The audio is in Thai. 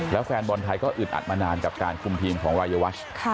แล้วแฟนบอลไทยก็อึดอัดมานานกับการคุมทีมของรายวัช